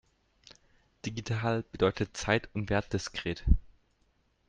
Digital bedeutet zeit- und wertdiskret.